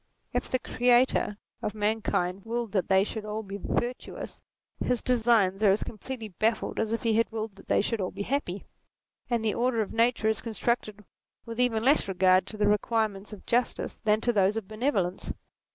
If the Creator of man kind willed that they should all be virtuous, his designs are as completely baffled as if he had willed that they should all be happy : and the order of nature is constructed with even less regard to the requirements of justice than to those of benevolence.